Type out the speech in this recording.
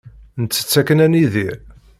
Nettett akken ad nidir.